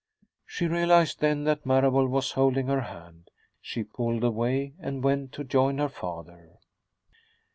She realized then that Marable was holding her hand. She pulled away and went to join her father.